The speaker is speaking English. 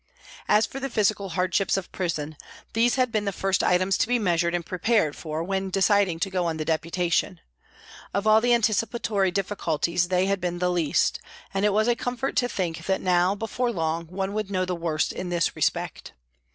As for the physical hardships of prison, these had been the first items to be measured and prepared for when deciding to go on the Deputation ; of all the anticipatory difficulties they had been the least, and it was a comfort to think that now, before long, one would know the worst in this respect.